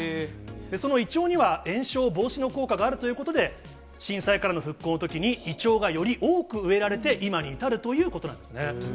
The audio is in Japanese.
そのイチョウには延焼防止の効果があるということで、震災からの復興のときに、イチョウがより多く植えられて、今に至るということなんですね。